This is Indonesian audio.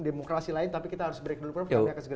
demokrasi lain tapi kita harus break dulu prof